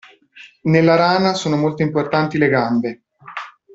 Nella rana sono molto importanti le gambe.